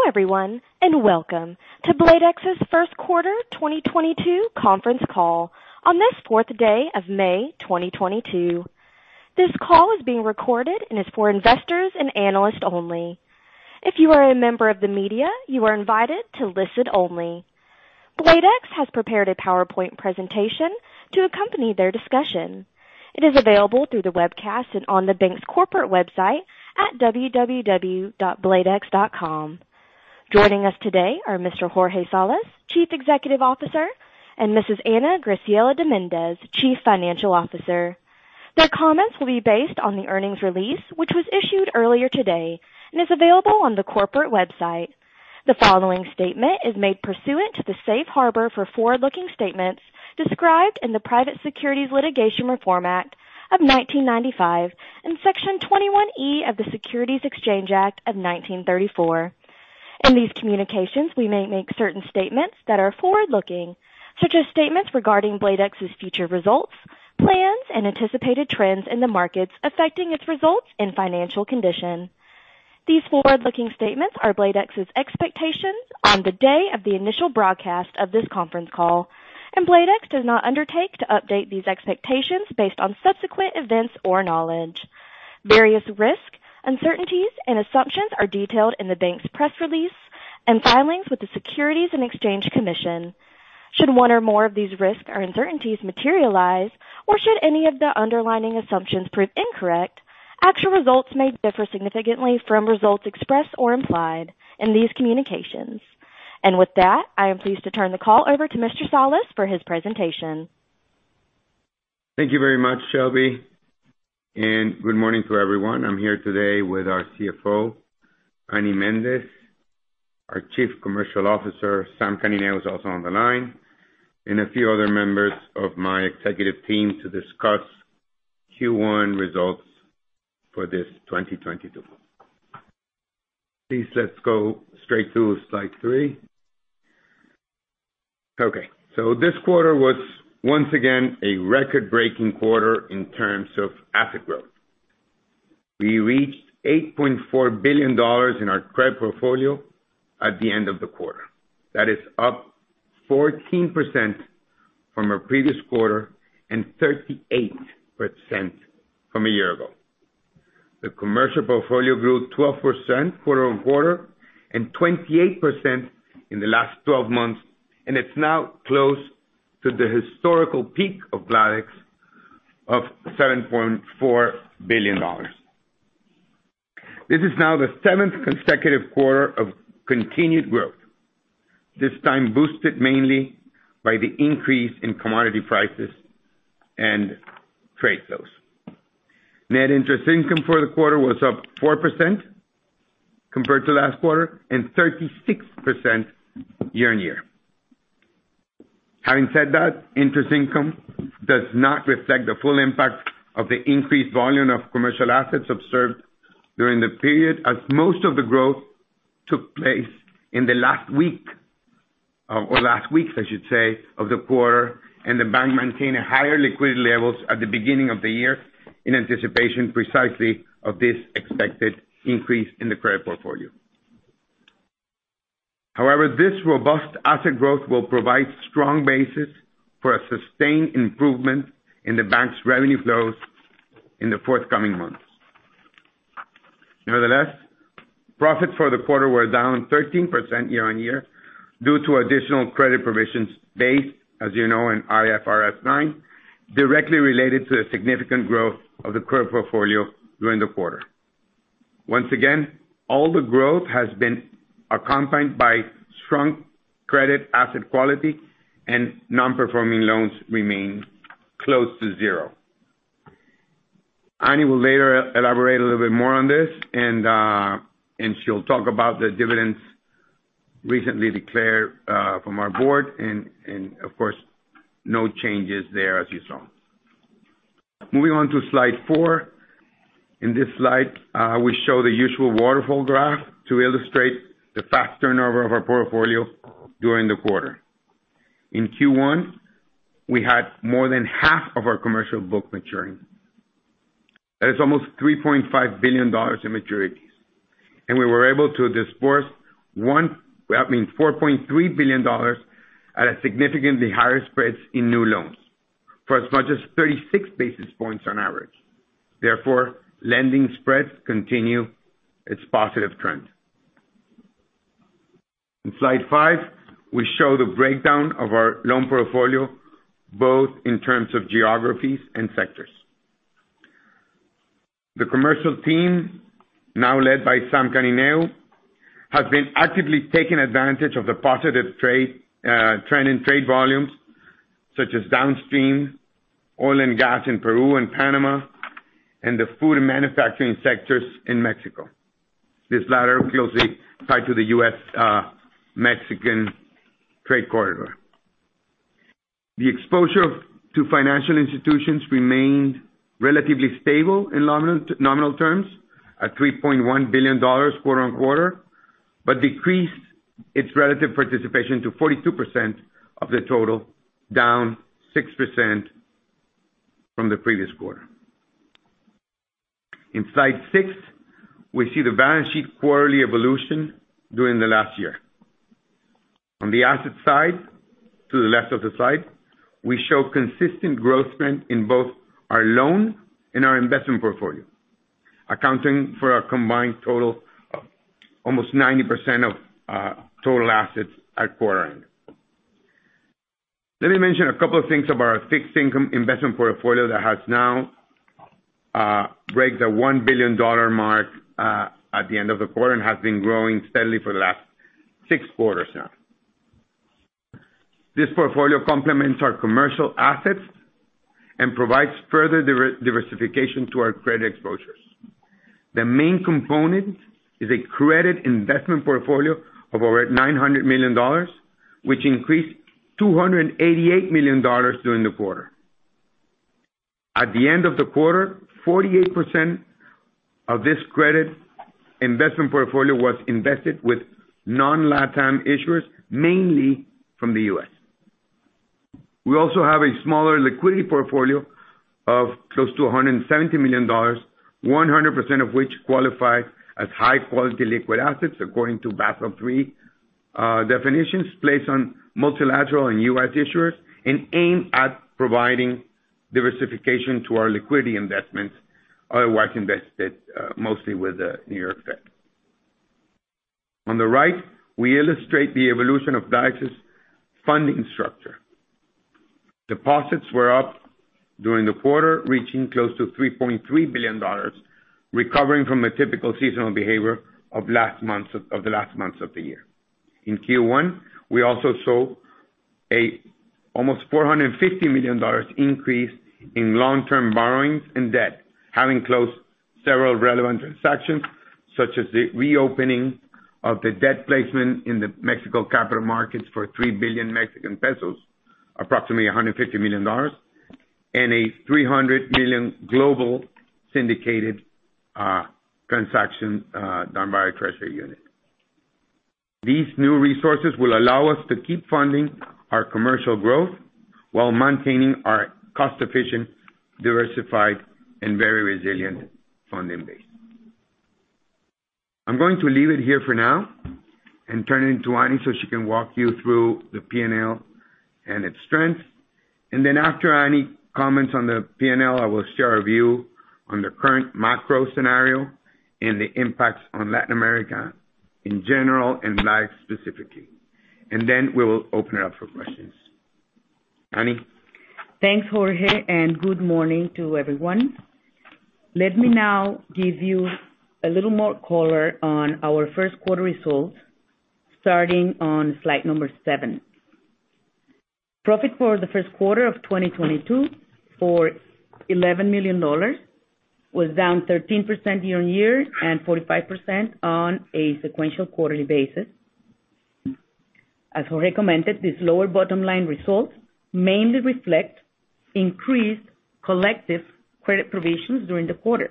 Hello everyone, and welcome to Bladex's Q1 2022 conference call on this fourth day of May 2022. This call is being recorded and is for investors and analysts only. If you are a member of the media, you are invited to listen only. Bladex has prepared a PowerPoint presentation to accompany their discussion. It is available through the webcast and on the bank's corporate website at www.bladex.com. Joining us today are Mr. Jorge Salas, Chief Executive Officer, and Mrs. Ana Graciela de Méndez, Chief Financial Officer. Their comments will be based on the earnings release, which was issued earlier today and is available on the corporate website. The following statement is made pursuant to the Safe Harbor for forward-looking statements described in the Private Securities Litigation Reform Act of 1995 and Section 21E of the Securities Exchange Act of 1934. In these communications, we may make certain statements that are forward-looking, such as statements regarding Bladex's future results, plans, and anticipated trends in the markets affecting its results and financial condition. These forward-looking statements are Bladex's expectations on the day of the initial broadcast of this conference call, and Bladex does not undertake to update these expectations based on subsequent events or knowledge. Various risks, uncertainties and assumptions are detailed in the bank's press release and filings with the Securities and Exchange Commission. Should one or more of these risks or uncertainties materialize, or should any of the underlying assumptions prove incorrect, actual results may differ significantly from results expressed or implied in these communications. With that, I am pleased to turn the call over to Mr. Salas for his presentation. Thank you very much, Shelby, and good morning to everyone. I'm here today with our CFO, Annie Méndez. Our Chief Commercial Officer, Sam Canineu, is also on the line, and a few other members of my executive team to discuss Q1 results for this 2022. Please, let's go straight to slide three. Okay. This quarter was once again a record-breaking quarter in terms of asset growth. We reached $8.4 billion in our credit portfolio at the end of the quarter. That is up 14% from our previous quarter and 38% from a year ago. The commercial portfolio grew 12% quarter on quarter and 28% in the last twelve months, and it's now close to the historical peak of Bladex of $7.4 billion. This is now the seventh consecutive quarter of continued growth, this time boosted mainly by the increase in commodity prices and trade flows. Net interest income for the quarter was up 4% compared to last quarter and 36% year-over-year. Having said that, interest income does not reflect the full impact of the increased volume of commercial assets observed during the period, as most of the growth took place in the last week, or last weeks, I should say, of the quarter. The bank maintained higher liquidity levels at the beginning of the year in anticipation precisely of this expected increase in the credit portfolio. However, this robust asset growth will provide strong basis for a sustained improvement in the bank's revenue flows in the forthcoming months. Nevertheless, profits for the quarter were down 13% year-on-year due to additional credit provisions based, as you know, in IFRS 9, directly related to the significant growth of the credit portfolio during the quarter. Once again, all the growth has been accompanied by strong credit asset quality and non-performing loans remain close to zero. Annie will later elaborate a little bit more on this and she'll talk about the dividends recently declared from our board and, of course, no changes there, as you saw. Moving on to slide four. In this slide, we show the usual waterfall graph to illustrate the fast turnover of our portfolio during the quarter. In Q1, we had more than half of our commercial book maturing. That is almost $3.5 billion in maturities. We were able to disperse $4.3 billion at significantly higher spreads in new loans for as much as 36 basis points on average. Therefore, lending spreads continue its positive trend. In slide five, we show the breakdown of our loan portfolio, both in terms of geographies and sectors. The commercial team, now led by Sam Canineu, has been actively taking advantage of the positive trade trend in trade volumes such as downstream oil and gas in Peru and Panama, and the food and manufacturing sectors in Mexico. This latter field is tied to the U.S.-Mexican trade corridor. The exposure to financial institutions remained relatively stable in nominal terms at $3.1 billion quarter on quarter, but decreased its relative participation to 42% of the total, down 6% from the previous quarter. In slide six, we see the balance sheet quarterly evolution during the last year. On the asset side, to the left of the slide, we show consistent growth trend in both our loan and our investment portfolio, accounting for a combined total of almost 90% of total assets at quarter end. Let me mention a couple of things about our fixed income investment portfolio that has now break the $1 billion mark at the end of the quarter and has been growing steadily for the last 6 quarters now. This portfolio complements our commercial assets and provides further diversification to our credit exposures. The main component is a credit investment portfolio of over $900 million, which increased $288 million during the quarter. At the end of the quarter, 48% of this credit investment portfolio was invested with non-LatAm issuers, mainly from the U.S. We also have a smaller liquidity portfolio of close to $170 million, 100% of which qualifies as high-quality liquid assets according to Basel III definitions placed on multilateral and U.S. issuers and aimed at providing diversification to our liquidity investments, otherwise invested mostly with the New York Fed. On the right, we illustrate the evolution of Bladex funding structure. Deposits were up during the quarter, reaching close to $3.3 billion, recovering from a typical seasonal behavior of the last months of the year. In Q1, we also saw an almost $450 million increase in long-term borrowings and debt, having closed several relevant transactions, such as the reopening of the debt placement in the Mexican capital markets for 3 billion Mexican pesos, approximately $150 million, and a $300 million global syndicated transaction done by our treasury unit. These new resources will allow us to keep funding our commercial growth while maintaining our cost-efficient, diversified and very resilient funding base. I'm going to leave it here for now and turn it to Ana Graciela de Méndez so she can walk you through the P&L and its strengths. Then after Ana Graciela de Méndez comments on the P&L, I will share a view on the current macro scenario and the impacts on Latin America in general and Bladex specifically. Then we will open it up for questions. Annie? Thanks, Jorge, and good morning to everyone. Let me now give you a little more color on our Q1 results, starting on slide number seven. Profit for the Q1 of 2022 for $11 million was down 13% year-on-year and 45% on a sequential quarterly basis. As Jorge commented, this lower bottom line results mainly reflect increased collective credit provisions during the quarter.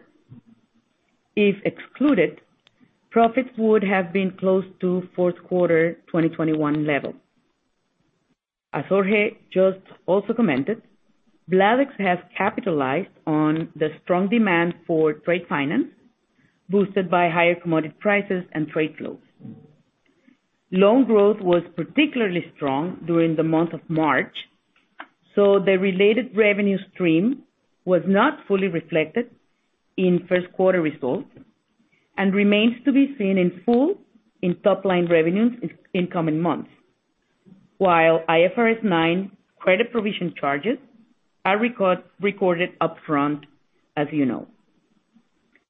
If excluded, profits would have been close to Q4 2021 level. As Jorge just also commented, Bladex has capitalized on the strong demand for trade finance, boosted by higher commodity prices and trade flows. Loan growth was particularly strong during the month of March, so the related revenue stream was not fully reflected in Q1 results and remains to be seen in full in top line revenues in coming months. While IFRS 9 credit provision charges are recorded upfront, as you know.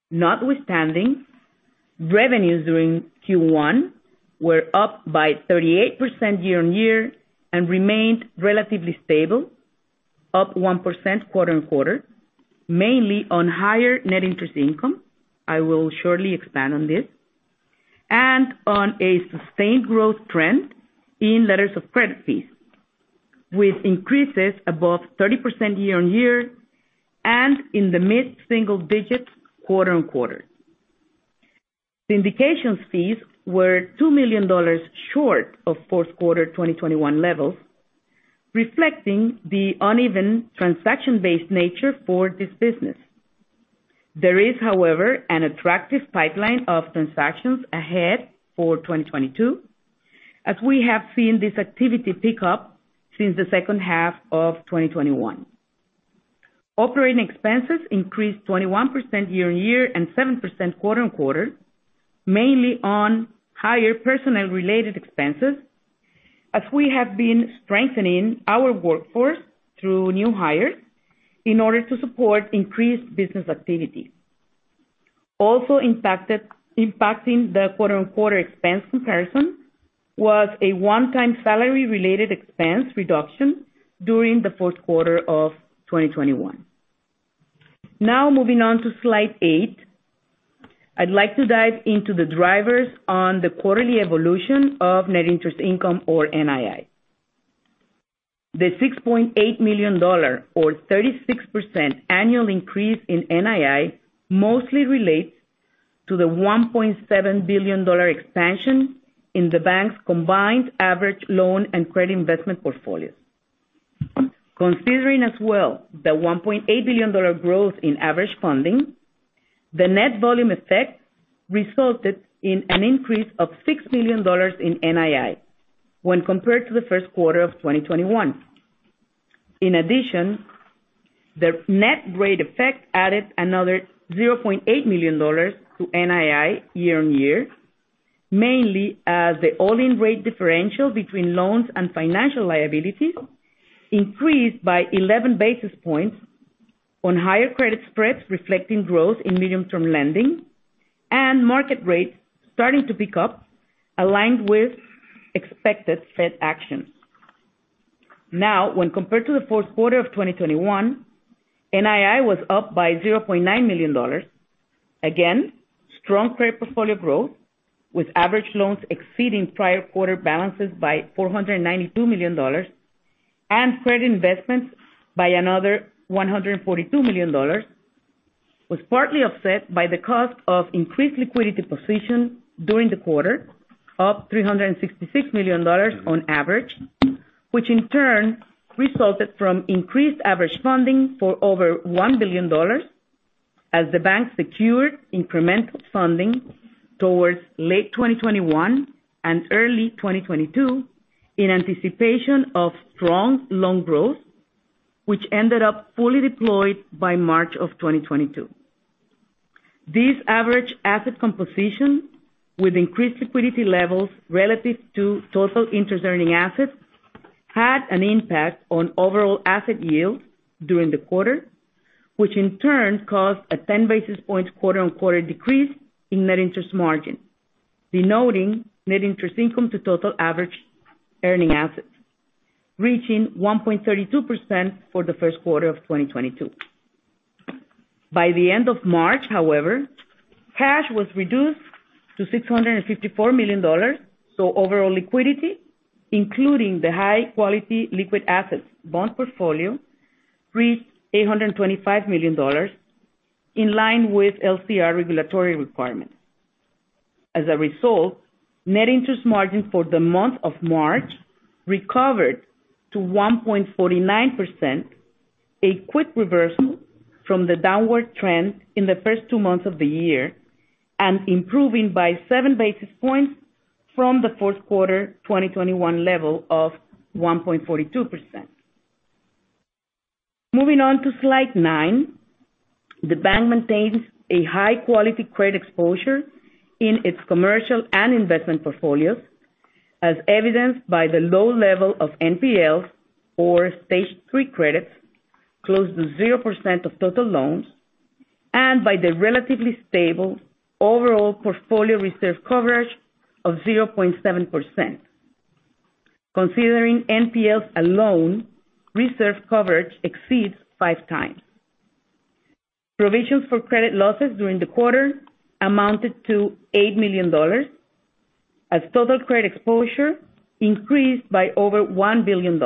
Notwithstanding, revenues during Q1 were up by 38% year-over-year and remained relatively stable, up 1% quarter-over-quarter, mainly on higher net interest income. I will shortly expand on this. On a sustained growth trend in letters of credit fees, with increases above 30% year-over-year and in the mid-single digits quarter-over-quarter. Syndications fees were $2 million short of Q4 2021 levels, reflecting the uneven transaction-based nature for this business. There is, however, an attractive pipeline of transactions ahead for 2022, as we have seen this activity pick up since the second half of 2021. Operating expenses increased 21% year-on-year and 7% quarter-on-quarter, mainly on higher personnel-related expenses, as we have been strengthening our workforce through new hires in order to support increased business activity. Impacting the quarter-on-quarter expense comparison was a one-time salary-related expense reduction during the Q4 of 2021. Now moving on to slide eight, I'd like to dive into the drivers on the quarterly evolution of net interest income or NII. The $6.8 million or 36% annual increase in NII mostly relates to the $1.7 billion expansion in the bank's combined average loan and credit investment portfolios. Considering as well the $1.8 billion growth in average funding, the net volume effect resulted in an increase of $6 million in NII when compared to the Q1 of 2021. In addition, the net rate effect added another $0.8 million to NII year-on-year, mainly as the all-in rate differential between loans and financial liabilities increased by 11 basis points on higher credit spreads, reflecting growth in medium-term lending and market rates starting to pick up, aligned with expected Fed actions. Now, when compared to the Q4 of 2021, NII was up by $0.9 million. Again, strong credit portfolio growth, with average loans exceeding prior quarter balances by $492 million and credit investments by another $142 million, was partly offset by the cost of increased liquidity position during the quarter, up $366 million on average, which in turn resulted from increased average funding for over $1 billion as the bank secured incremental funding towards late 2021 and early 2022 in anticipation of strong loan growth, which ended up fully deployed by March of 2022. This average asset composition, with increased liquidity levels relative to total interest earning assets, had an impact on overall asset yield during the quarter, which in turn caused a 10 basis points quarter-on-quarter decrease in net interest margin, denoting net interest income to total average earning assets, reaching 1.32% for the Q1 of 2022. By the end of March, however, cash was reduced to $654 million, so overall liquidity, including the high-quality liquid assets bond portfolio, reached $825 million, in line with LCR regulatory requirements. As a result, net interest margin for the month of March recovered to 1.49%, a quick reversal from the downward trend in the first two months of the year and improving by 7 basis points from the Q4 2021 level of 1.42%. Moving on to slide nine, the bank maintains a high-quality credit exposure in its commercial and investment portfolios, as evidenced by the low level of NPLs or Stage 3 credits, close to 0% of total loans, and by the relatively stable overall portfolio reserve coverage of 0.7%. Considering NPLs alone, reserve coverage exceeds 5 times. Provisions for credit losses during the quarter amounted to $8 million, as total credit exposure increased by over $1 billion.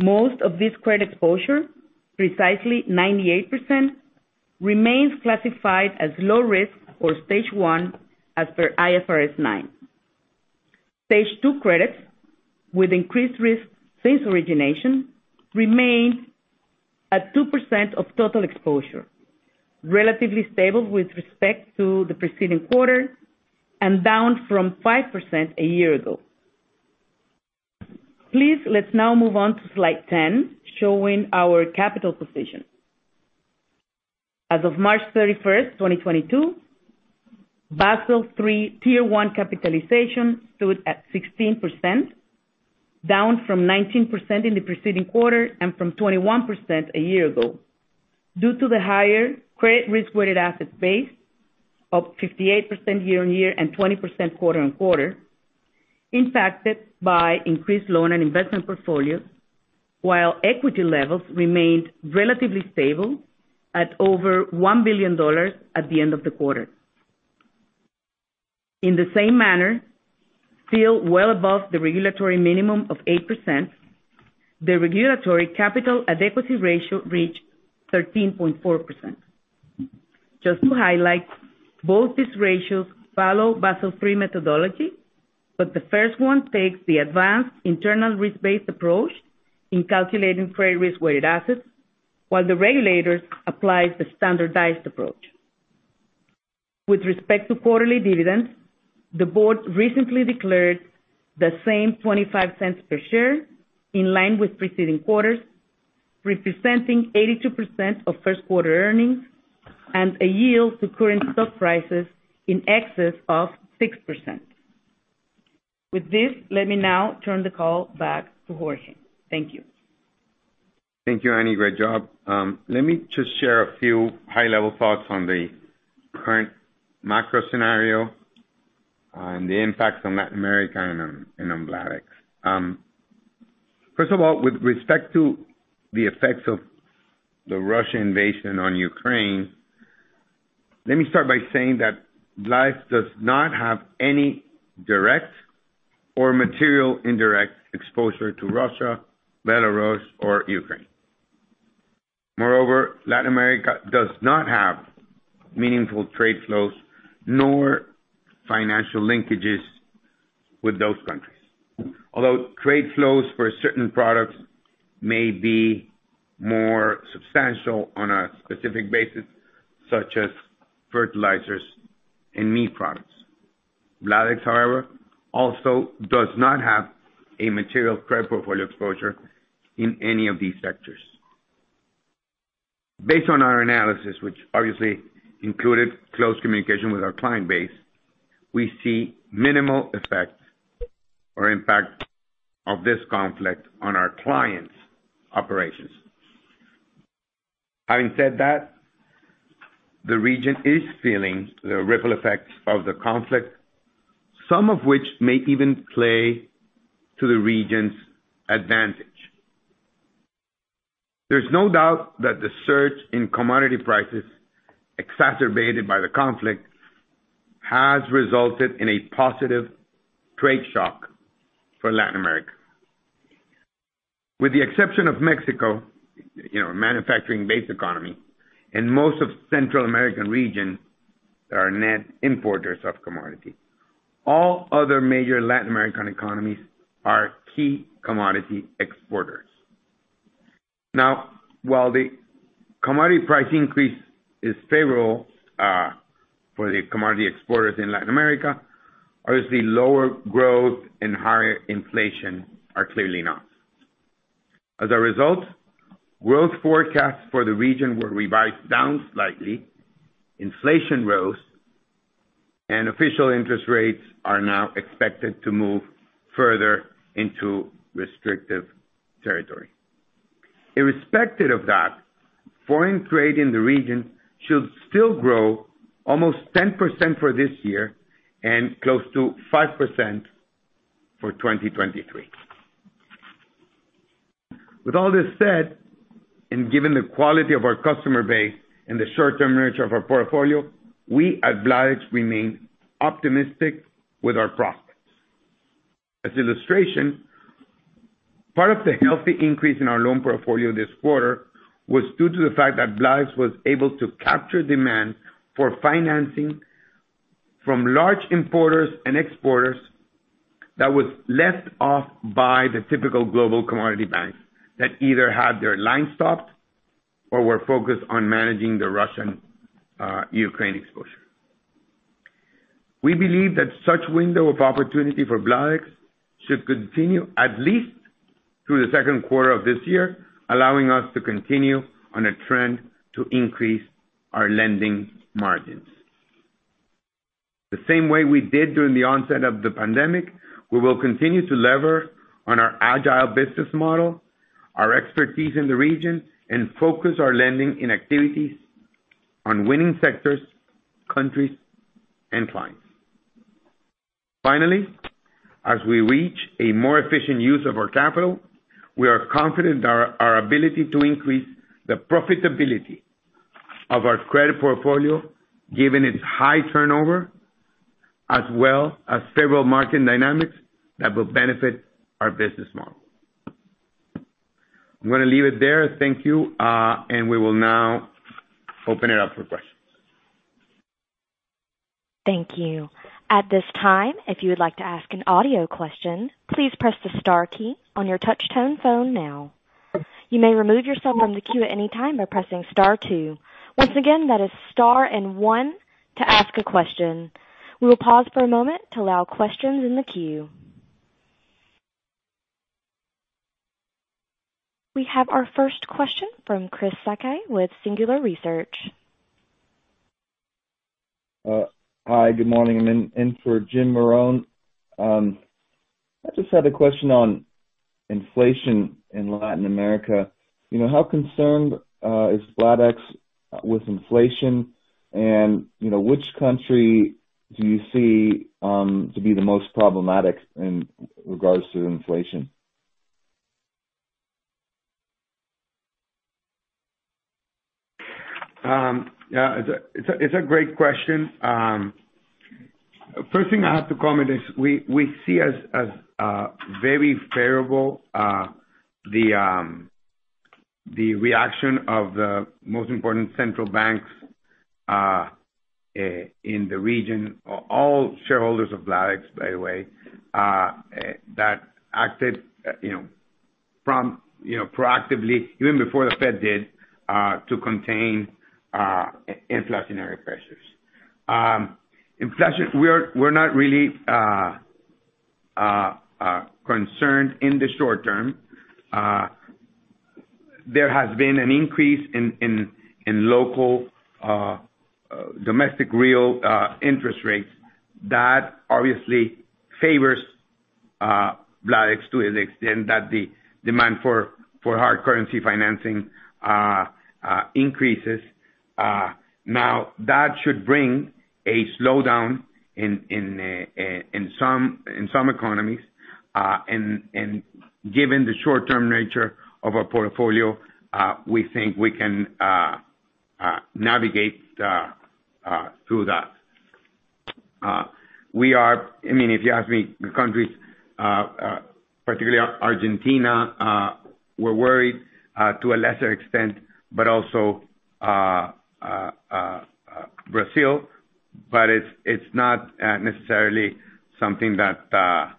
Most of this credit exposure, precisely 98%, remains classified as low risk or Stage 1 as per IFRS 9. Stage 2 credits with increased risk since origination remain at 2% of total exposure, relatively stable with respect to the preceding quarter and down from 5% a year ago. Please, let's now move on to slide 10, showing our capital position. As of March 31, 2022, Basel III Tier 1 capitalization stood at 16%, down from 19% in the preceding quarter and from 21% a year ago, due to the higher credit risk-weighted asset base up 58% year-over-year and 20% quarter-over-quarter, impacted by increased loan and investment portfolios, while equity levels remained relatively stable at over $1 billion at the end of the quarter. In the same manner, still well above the regulatory minimum of 8%, the regulatory capital adequacy ratio reached 13.4%. Just to highlight, both these ratios follow Basel III methodology, but the first one takes the advanced internal risk-based approach in calculating credit risk-weighted assets, while the regulator applies the standardized approach. With respect to quarterly dividends, the board recently declared the same $0.25 per share in line with preceding quarters, representing 82% of Q1 earnings and a yield to current stock prices in excess of 6%. With this, let me now turn the call back to Jorge. Thank you. Thank you, Annie. Great job. Let me just share a few high-level thoughts on the current macro scenario, the impacts on Latin America and on Bladex. First of all, with respect to the effects of the Russian invasion on Ukraine, let me start by saying that Bladex does not have any direct or material indirect exposure to Russia, Belarus or Ukraine. Moreover, Latin America does not have meaningful trade flows nor financial linkages with those countries. Although trade flows for certain products may be more substantial on a specific basis, such as fertilizers and meat products. Bladex, however, also does not have a material credit portfolio exposure in any of these sectors. Based on our analysis, which obviously included close communication with our client base, we see minimal effects or impact of this conflict on our clients' operations. Having said that, the region is feeling the ripple effects of the conflict, some of which may even play to the region's advantage. There's no doubt that the surge in commodity prices, exacerbated by the conflict, has resulted in a positive trade shock for Latin America. With the exception of Mexico, you know, manufacturing-based economy, and most of Central America are net importers of commodities. All other major Latin American economies are key commodity exporters. Now, while the commodity price increase is favorable for the commodity exporters in Latin America, obviously lower growth and higher inflation are clearly not. As a result, growth forecasts for the region were revised down slightly, inflation rose, and official interest rates are now expected to move further into restrictive territory. Irrespective of that, foreign trade in the region should still grow almost 10% for this year and close to 5% for 2023. With all this said, and given the quality of our customer base and the short-term nature of our portfolio, we at Bladex remain optimistic with our prospects. As illustration, part of the healthy increase in our loan portfolio this quarter was due to the fact that Bladex was able to capture demand for financing from large importers and exporters that was left off by the typical global commodity banks that either had their line stopped or were focused on managing the Russian-Ukraine exposure. We believe that such window of opportunity for Bladex should continue at least through the Q2 of this year, allowing us to continue on a trend to increase our lending margins. The same way we did during the onset of the pandemic, we will continue to lever on our agile business model, our expertise in the region, and focus our lending in activities on winning sectors, countries, and clients. Finally, as we reach a more efficient use of our capital, we are confident in our ability to increase the profitability of our credit portfolio, given its high turnover, as well as several market dynamics that will benefit our business model. I'm gonna leave it there. Thank you. We will now open it up for questions. Thank you. At this time, if you would like to ask an audio question, please press the star key on your touch tone phone now. You may remove yourself from the queue at any time by pressing star two. Once again, that is star and one to ask a question. We will pause for a moment to allow questions in the queue. We have our first question from Chris Sakai with Singular Research. Hi, good morning. I'm in for Jim Morone. I just had a question on inflation in Latin America. You know, how concerned is Bladex with inflation? You know, which country do you see to be the most problematic in regards to inflation? Yeah, it's a great question. First thing I have to comment is we see as very favorable the reaction of the most important central banks in the region, all shareholders of Bladex, by the way, that acted, you know, proactively even before the Fed did to contain inflationary pressures. Inflation, we're not really concerned in the short term. There has been an increase in local domestic real interest rates that obviously favors Bladex to an extent that the demand for hard currency financing increases. Now that should bring a slowdown in some economies, and given the short-term nature of our portfolio, we think we can navigate through that. I mean, if you ask me the countries, particularly Argentina, we're worried to a lesser extent, but also Brazil. It's not necessarily something that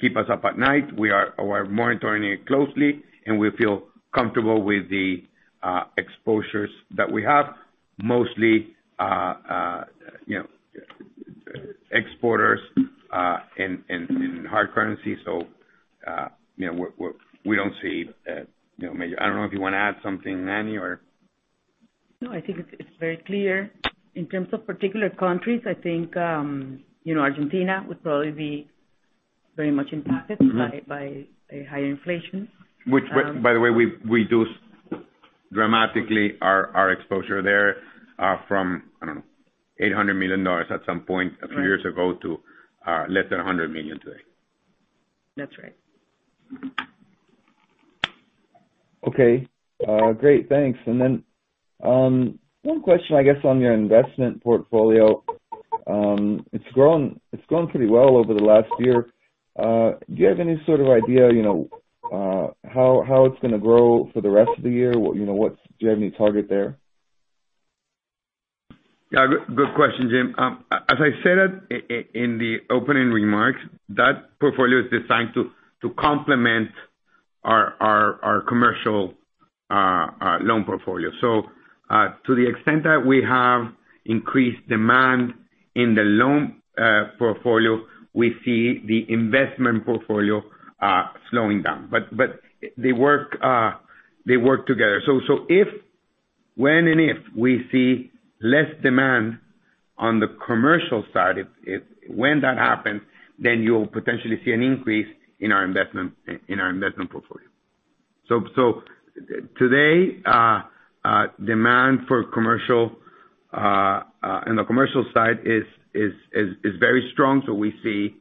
keep us up at night. We're monitoring it closely, and we feel comfortable with the exposures that we have. Mostly, you know, exporters in hard currency. You know, we don't see, you know, maybe. I don't know if you wanna add something, Ana Graciela de Méndez, or? No, I think it's very clear. In terms of particular countries, I think, you know, Argentina would probably be very much impacted by a higher inflation. Which, by the way, we've reduced dramatically our exposure there from, I don't know, $800 million at some point. Right A few years ago to less than $100 million today. That's right. Okay. Great. Thanks. One question, I guess, on your investment portfolio. It's grown pretty well over the last year. Do you have any sort of idea, you know, how it's gonna grow for the rest of the year? You know, do you have any target there? Yeah. Good question, Jim. As I said in the opening remarks, that portfolio is designed to complement our commercial loan portfolio. To the extent that we have increased demand in the loan portfolio, we see the investment portfolio slowing down. They work together. When and if we see less demand on the commercial side, when that happens, then you'll potentially see an increase in our investment portfolio. Today, demand for commercial in the commercial side is very strong, so we see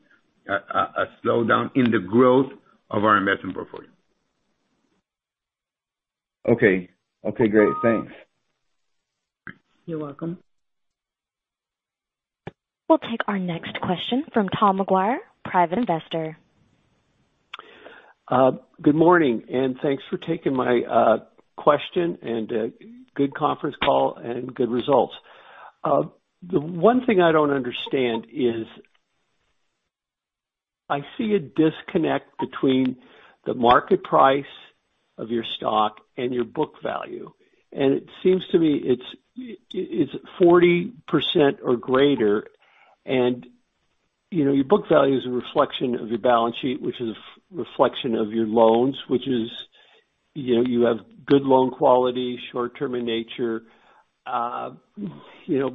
a slowdown in the growth of our investment portfolio. Okay, great. Thanks. You're welcome. We'll take our next question from Tom McGuire, Private Investor. Good morning, and thanks for taking my question, and good conference call and good results. The one thing I don't understand is I see a disconnect between the market price of your stock and your book value, and it seems to me it's 40% or greater and, you know, your book value is a reflection of your balance sheet, which is a reflection of your loans, which is, you know, you have good loan quality, short term in nature, you know,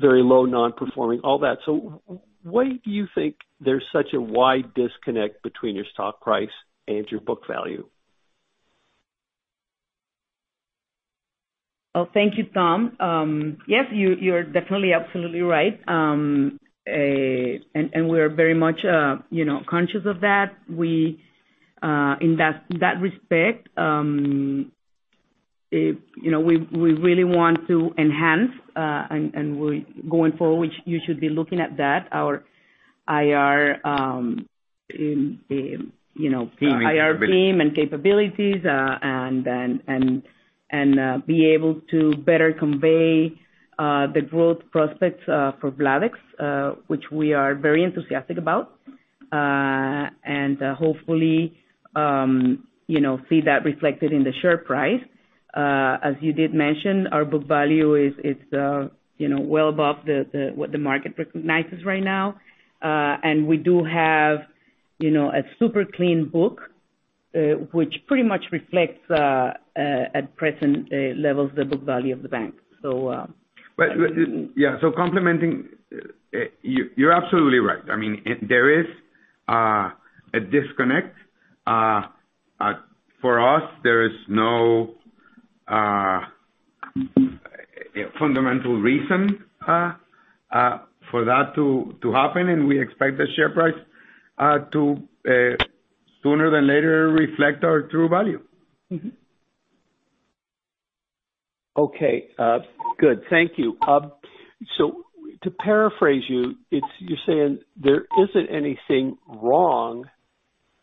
very low non-performing, all that. Why do you think there's such a wide disconnect between your stock price and your book value? Oh, thank you, Tom. Yes, you're definitely absolutely right. We're very much, you know, conscious of that. We in that respect. You know, we really want to enhance and going forward, you should be looking at that. Our IR, you know. Sorry IR team and capabilities and be able to better convey the growth prospects for Bladex, which we are very enthusiastic about. Hopefully, you know, see that reflected in the share price. As you did mention, our book value is you know well above what the market recognizes right now. We do have you know a super clean book, which pretty much reflects at present levels the book value of the bank. Yeah. You're absolutely right. I mean, there is a disconnect. For us, there is no fundamental reason for that to happen, and we expect the share price to sooner than later reflect our true value. Okay. Good. Thank you. So to paraphrase you're saying there isn't anything wrong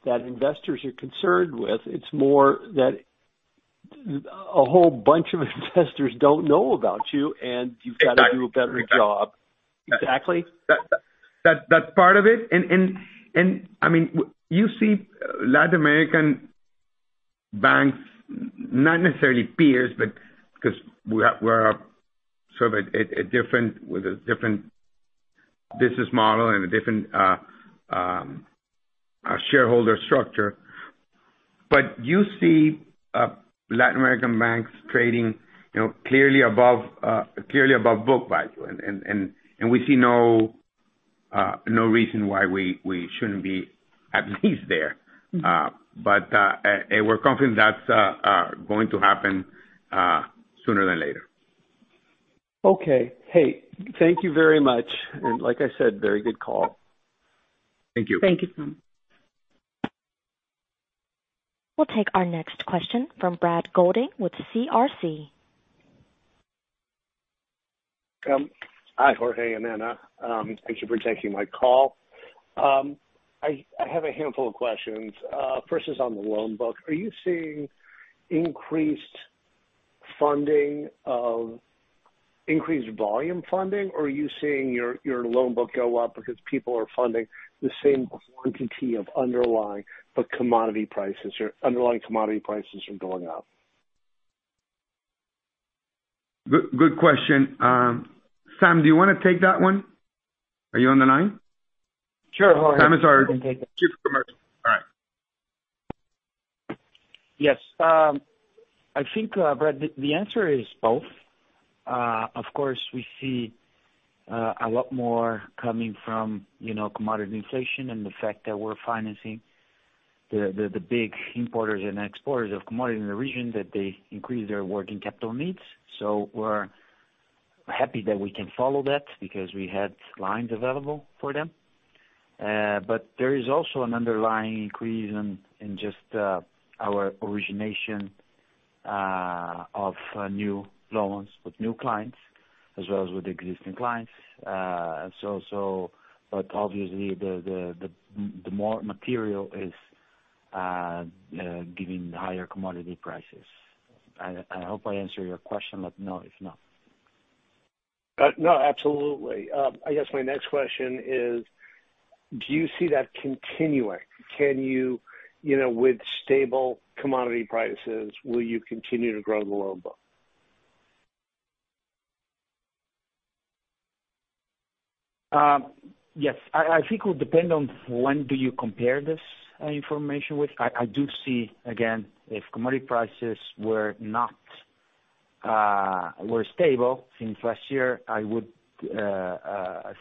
that investors are concerned with. It's more that a whole bunch of investors don't know about you, and you've got- Exactly. to do a better job. Exactly? That's part of it. I mean, you see Latin American banks, not necessarily peers, but because we're a sort of a different with a different business model and a different shareholder structure. You see Latin American banks trading, you know, clearly above book value. We see no reason why we shouldn't be at least there. We're confident that's going to happen sooner than later. Okay. Hey, thank you very much. Like I said, very good call. Thank you. Thank you, Tom. We'll take our next question from Brad Golding with CRC. Hi, Jorge and Ana. Thank you for taking my call. I have a handful of questions. First is on the loan book. Are you seeing increased volume funding, or are you seeing your loan book go up because people are funding the same quantity of underlying commodity prices are going up? Good, good question. Sam, do you wanna take that one? Are you on the line? Sure. Samuel Canineu is our chief commercial. All right. Yes. I think, Brad, the answer is both. Of course, we see a lot more coming from, you know, commodity inflation and the fact that we're financing the big importers and exporters of commodity in the region, that they increase their working capital needs. We're happy that we can follow that because we had lines available for them. There is also an underlying increase in just our origination of new loans with new clients as well as with existing clients. Obviously, the more material is giving higher commodity prices. I hope I answered your question, let me know if not. No, absolutely. I guess my next question is, do you see that continuing? Can you know, with stable commodity prices, will you continue to grow the loan book? Yes. I think it will depend on when do you compare this information with. I do see, again, if commodity prices were stable since last year, I would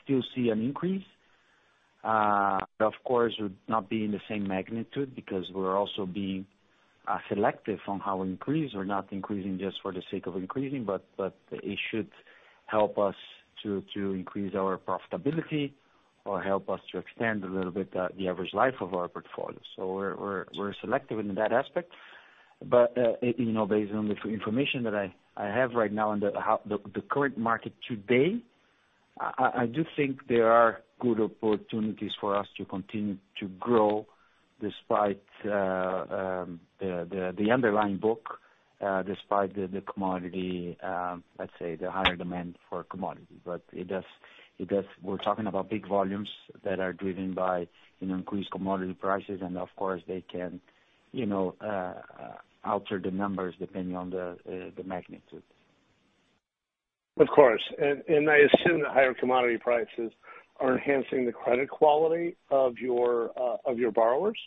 still see an increase. Of course, would not be in the same magnitude because we're also being selective on how we increase. We're not increasing just for the sake of increasing, but it should help us to increase our profitability or help us to extend a little bit the average life of our portfolio. We're selective in that aspect. You know, based on the information that I have right now and the current market today, I do think there are good opportunities for us to continue to grow despite the underlying book, despite the commodity, let's say the higher demand for commodity. We're talking about big volumes that are driven by, you know, increased commodity prices. Of course they can, you know, alter the numbers depending on the magnitude. Of course. I assume that higher commodity prices are enhancing the credit quality of your borrowers?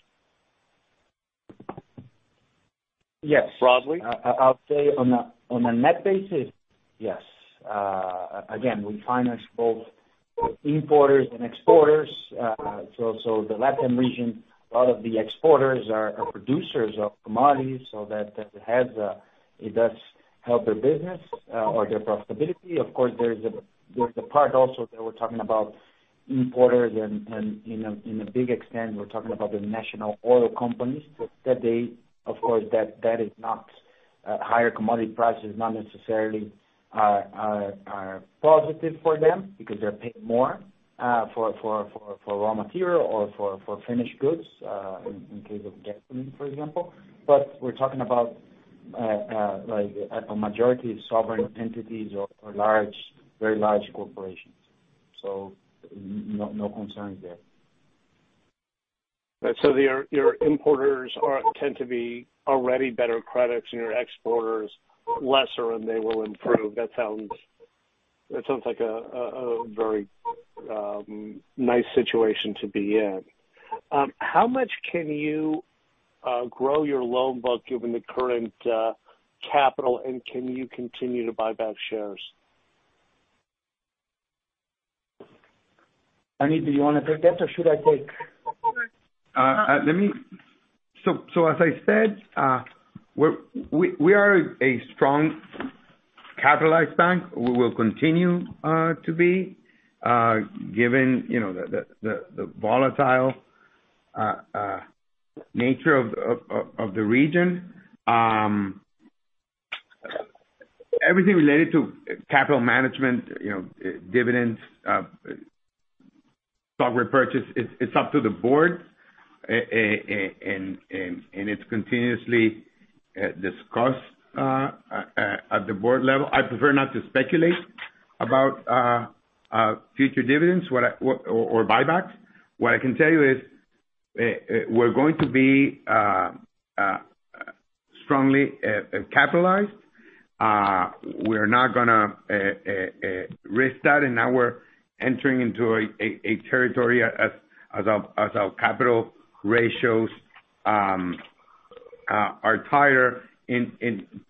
Yes. Broadly. I'll say on a net basis, yes. Again, we finance both importers and exporters. The LatAm region, a lot of the exporters are producers of commodities, so that has it does help their business or their profitability. Of course, there is a part also that we're talking about importers and in a big extent, we're talking about the national oil companies. That they, of course, that is not higher commodity prices not necessarily are positive for them because they're paying more for raw material or for finished goods in case of gasoline, for example. But we're talking about like a majority of sovereign entities or large, very large corporations. No concerns there. Right. Your importers tend to be already better credits and your exporters lesser, and they will improve. That sounds like a very nice situation to be in. How much can you grow your loan book given the current capital? And can you continue to buy back shares? Ana, do you wanna take that or should I take? As I said, we are a strongly capitalized bank. We will continue to be given, you know, the volatile nature of the region. Everything related to capital management, you know, dividends, stock repurchase, it's up to the board and it's continuously discussed at the board level. I prefer not to speculate about future dividends or buybacks. What I can tell you is, we're going to be strongly capitalized. We're not gonna risk that. Now we're entering into a territory as our capital ratios are tighter and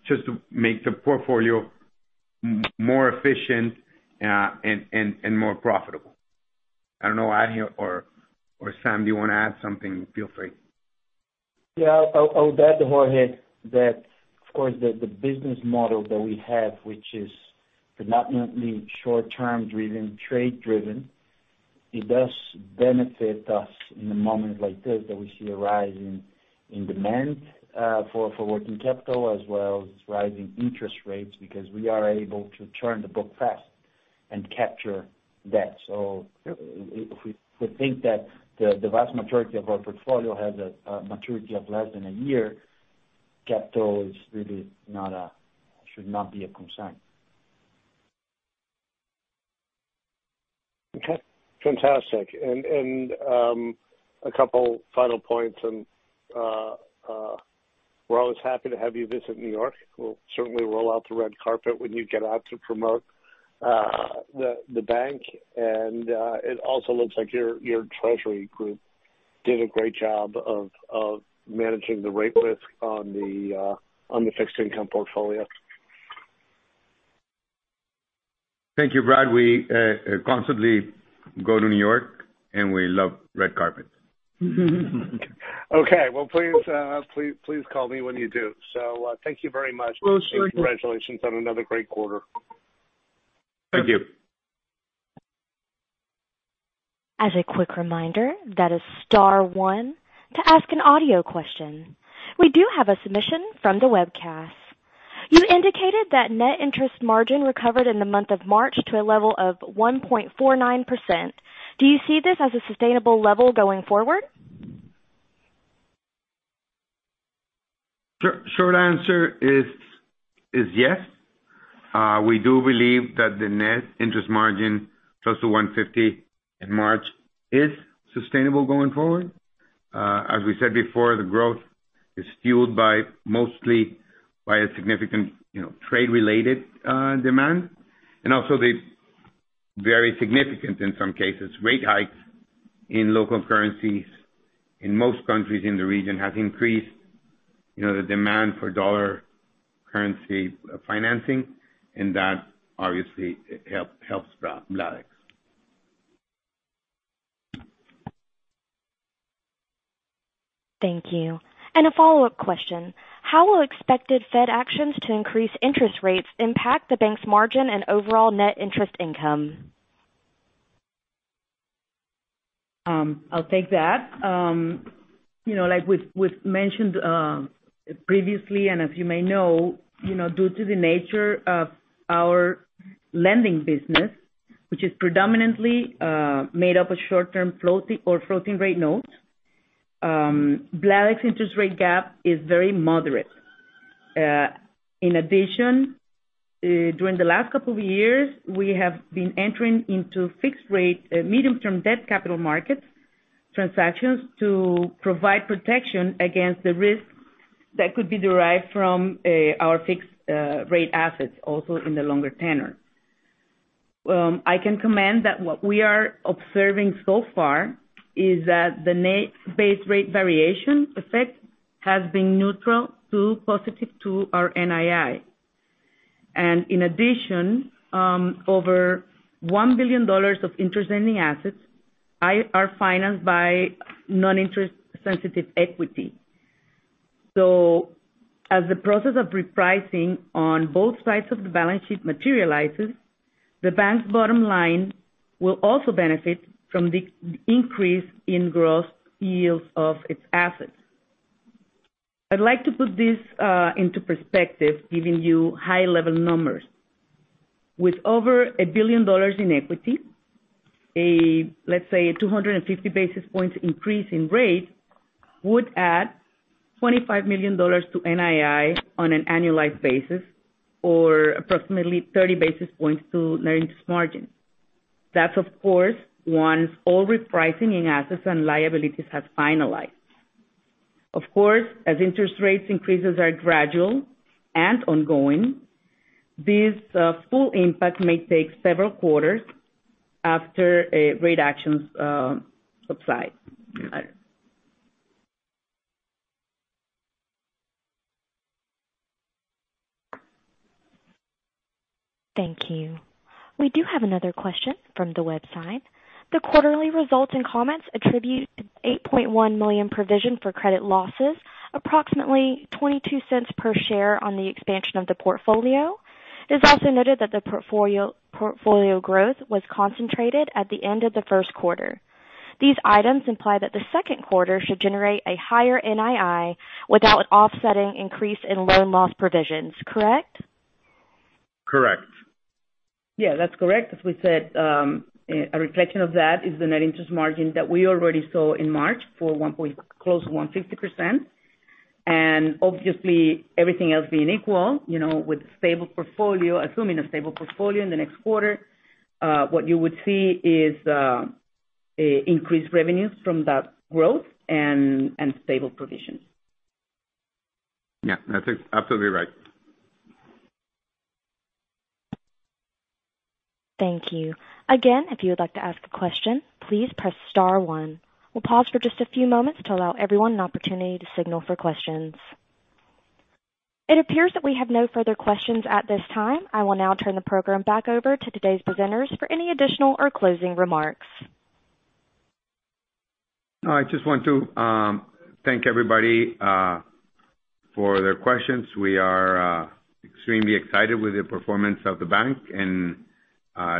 just to make the portfolio more efficient and more profitable. I don't know, Ana or Sam, do you wanna add something, feel free. Yeah. I'll add to Jorge that, of course, the business model that we have, which is predominantly short-term driven, trade-driven. It does benefit us in a moment like this that we see a rise in demand for working capital as well as rising interest rates, because we are able to turn the book fast and capture that. If we think that the vast majority of our portfolio has a maturity of less than a year, capital is really not a concern. Okay, fantastic. A couple final points. We're always happy to have you visit New York. We'll certainly roll out the red carpet when you get out to promote the bank. It also looks like your treasury group did a great job of managing the rate risk on the fixed income portfolio. Thank you, Brad. We constantly go to New York, and we love red carpet. Okay. Well, please call me when you do. Thank you very much. Most certainly. Congratulations on another great quarter. Thank you. As a quick reminder, that is star one to ask an audio question. We do have a submission from the webcast. You indicated that net interest margin recovered in the month of March to a level of 1.49%. Do you see this as a sustainable level going forward? Short answer is yes. We do believe that the net interest margin close to 1.50% in March is sustainable going forward. As we said before, the growth is fueled mostly by a significant, you know, trade-related demand and also the very significant, in some cases, rate hikes in local currencies in most countries in the region has increased, you know, the demand for dollar currency financing. That obviously helps Bladex. Thank you. A follow-up question: How will expected Fed actions to increase interest rates impact the bank's margin and overall net interest income? I'll take that. You know, like we've mentioned previously, and as you may know, you know, due to the nature of our lending business, which is predominantly made up of short-term floating rate notes, Bladex interest rate gap is very moderate. In addition, during the last couple of years, we have been entering into fixed rate medium-term debt capital markets transactions to provide protection against the risk that could be derived from our fixed rate assets, also in the longer tenor. I can comment that what we are observing so far is that the net base rate variation effect has been neutral to positive to our NII. In addition, over $1 billion of interest-earning assets are financed by non-interest sensitive equity. As the process of repricing on both sides of the balance sheet materializes, the bank's bottom line will also benefit from the increase in gross yields of its assets. I'd like to put this into perspective, giving you high-level numbers. With over $1 billion in equity, let's say, 250 basis points increase in rates would add $25 million to NII on an annualized basis or approximately 30 basis points to net interest margin. That's of course once all repricing in assets and liabilities has finalized. Of course, as interest rate increases are gradual and ongoing, this full impact may take several quarters after rate actions subside. Thank you. We do have another question from the website. The quarterly results and comments attribute $8.1 million provision for credit losses, approximately $0.22 per share on the expansion of the portfolio. It is also noted that the portfolio growth was concentrated at the end of the Q1. These items imply that the Q2 should generate a higher NII without offsetting increase in loan loss provisions. Correct? Correct. Yeah, that's correct. As we said, a reflection of that is the net interest margin that we already saw in March for 1% close to 1.50%. Obviously everything else being equal, you know, with stable portfolio, assuming a stable portfolio in the next quarter, what you would see is increased revenues from that growth and stable provisions. Yeah, that's absolutely right. Thank you. Again, if you would like to ask a question, please press star one. We'll pause for just a few moments to allow everyone an opportunity to signal for questions. It appears that we have no further questions at this time. I will now turn the program back over to today's presenters for any additional or closing remarks. I just want to thank everybody for their questions. We are extremely excited with the performance of the bank and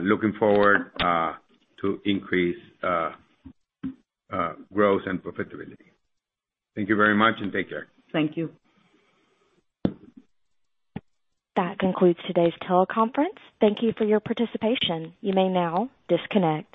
looking forward to increase growth and profitability. Thank you very much, and take care. Thank you. That concludes today's teleconference. Thank you for your participation. You may now disconnect.